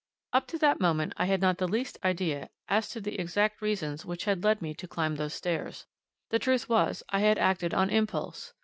Up to that moment I had not the least idea as to the exact reasons which had led me to climb those stairs. The truth was I had acted on impulse.